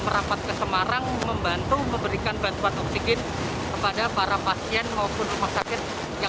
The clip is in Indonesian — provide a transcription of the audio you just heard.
merapat ke semarang membantu memberikan bantuan oksigen kepada para pasien maupun rumah sakit yang